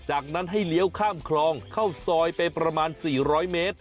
จากนั้นให้เลี้ยวข้ามคลองเข้าซอยไปประมาณ๔๐๐เมตร